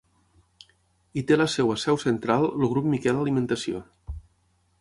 Hi té la seva seu central el Grup Miquel Alimentació.